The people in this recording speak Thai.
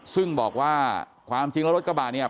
ซึ่งบอกว่าความจริงอ่ะรถกระบะนี้